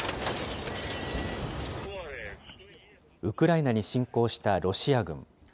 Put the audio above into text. ウクライナに侵攻したロシア軍。